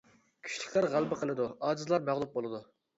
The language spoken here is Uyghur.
كۈچلۈكلەر غەلىبە قىلىدۇ، ئاجىزلار مەغلۇپ بولىدۇ.